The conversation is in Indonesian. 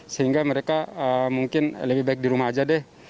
sehingga mereka mungkin lebih baik di rumah aja deh